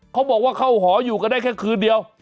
เขาบอกว่าเข้าหออยู่กันได้แค่คืนเดียว